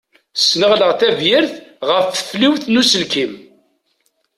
Sneɣleɣ tabyirt ɣef tfelwit n uselkem.